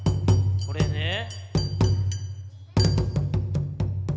これねぇ。